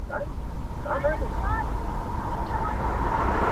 • د لوی ځنګله پر څنډه,